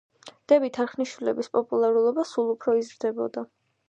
დები თარხნიშვილების პოპულარობა სულ უფრო იზრდებოდა.